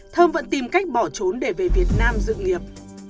thơm vẫn tìm cách bỏ trốn để về việt nam dự nghiệp